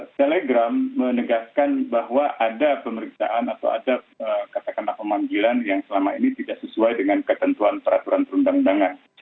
telegram menegaskan bahwa ada pemeriksaan atau ada katakanlah pemanggilan yang selama ini tidak sesuai dengan ketentuan peraturan perundang undangan